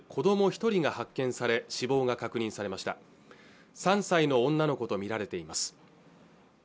一人が発見され死亡が確認されました３歳の女の子とみられています